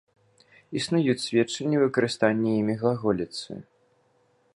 Існуюць сведчанні выкарыстання імі глаголіцы.